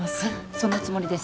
そのつもりです。